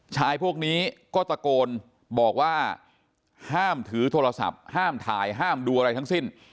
ชายพวกนี้ก็ตะโกนบอกว่าห้ามถือโทรศัพท์ห้ามถ่ายห้ามดูอะไรทั้งสิ้น